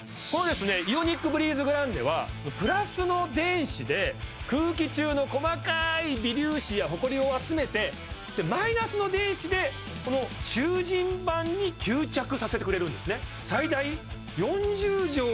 このイオニックブリーズグランデはプラスの電子で空気中の細かい微粒子やホコリを集めてマイナスの電子でこの集塵板に吸着させてくれるんですね